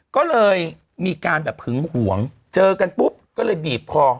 ก็เลยมีการแบบหึงหวงเจอกันปุ๊บก็เลยบีบคอ